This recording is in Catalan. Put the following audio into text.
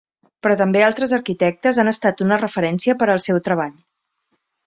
Però també altres arquitectes han estat una referència per al seu treball.